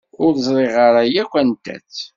Ur ẓriɣ ara yakk anta-tt.